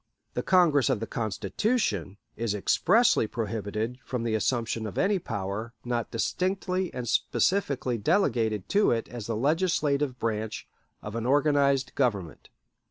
The Congress of the Constitution is expressly prohibited from the assumption of any power not distinctly and specifically delegated to it as the legislative branch of an organized government.